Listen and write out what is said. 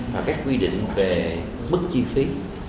và các quy định về mức chi phí